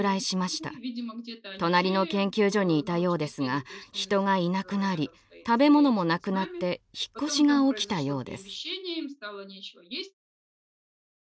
隣の研究所にいたようですが人がいなくなり食べ物もなくなって引っ越しが起きたようです。